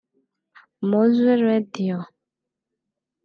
Mowzey Radio